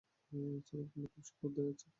ছাগলগুলো ছিল খুব ক্ষুধায় আক্রান্ত।